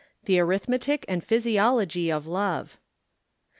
THE ARITHMETIC AND PHYSIOLOGY OF LOVE.